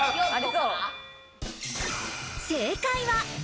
正解は。